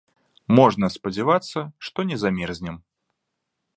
Можна спадзявацца, што не замерзнем.